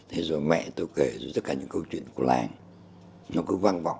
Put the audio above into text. thế rồi mẹ tôi kể tất cả những câu chuyện của làng nó cứ vang vọng